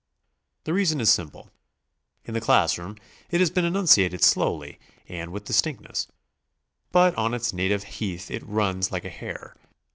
The reason is sim ple, — 'in the class room it has been enunciated slowly and with distinctness, but on its native heath it runs like a hare.